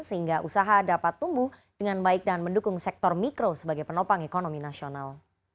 sehingga usaha dapat tumbuh dengan baik dan mendukung sektor mikro sebagai penopang ekonomi nasional